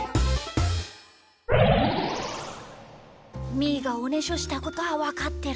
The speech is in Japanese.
みーがおねしょしたことはわかってるんだ。